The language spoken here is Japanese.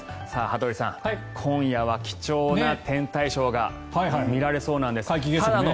羽鳥さん、今夜は貴重な天体ショーが見られそうなんです。